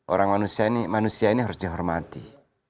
orang manusia ini manusia ini harus dihormati